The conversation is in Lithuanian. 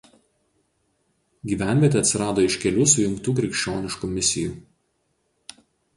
Gyvenvietė atsirado iš kelių sujungtų krikščioniškų misijų.